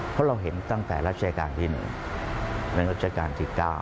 เพราะเราเห็นตั้งแต่ราชกาลที่๙